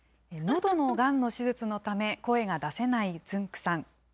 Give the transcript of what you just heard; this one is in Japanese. どのがんの手術のため、声が出せないつんく♂さん。